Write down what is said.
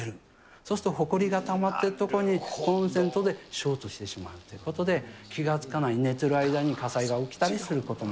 そうするとほこりがたまっている所に、コンセントでショートしてしまうということで、気が付かない、寝てる間に火災が起きたりすることも。